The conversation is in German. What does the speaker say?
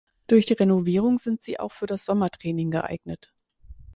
Durch die Renovierung sind sie auch für das Sommertraining geeignet.